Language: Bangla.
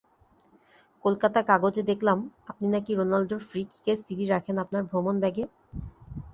কলকাতার কাগজে দেখলাম, আপনি নাকি রোনালদোর ফ্রি-কিকের সিডি রাখেন আপনার ভ্রমণব্যাগে।